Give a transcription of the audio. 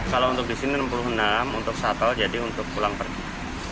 kalau untuk disini enam puluh enam untuk satel jadi untuk pulang pergi